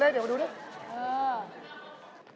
เล่นเดี๋ยวมาดูนี่เออ